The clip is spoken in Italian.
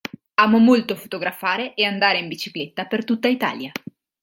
Amò molto fotografare e andare in bicicletta per tutta Italia.